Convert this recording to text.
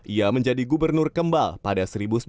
ia menjadi gubernur kembal pada seribu sembilan ratus sembilan puluh